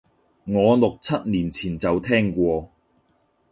我六七年前就聽過